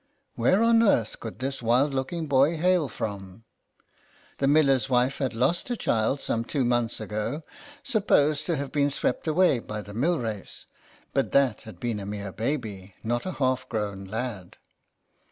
Where on earth GABRIEL ERNEST 49 could this wild looking boy hail from ? The miller's wife had lost a child some two months ago, supposed to have been swept away by the mill race, but that had been a mere baby, not a half grown lad.